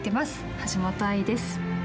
橋本愛です。